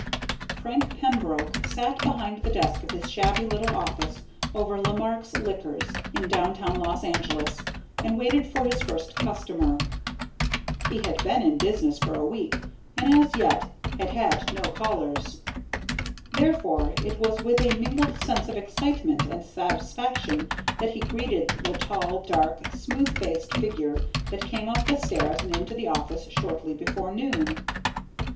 _ Frank Pembroke sat behind the desk of his shabby little office over Lemark's Liquors in downtown Los Angeles and waited for his first customer. He had been in business for a week and as yet had had no callers. Therefore, it was with a mingled sense of excitement and satisfaction that he greeted the tall, dark, smooth faced figure that came up the stairs and into the office shortly before noon.